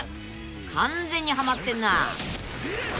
完全にはまってんな］